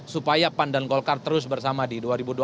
supaya pan dan golkar terus bersama di dua ribu dua puluh